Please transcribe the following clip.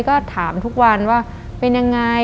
ก็ถามทุกวันว่าเป็นยังไง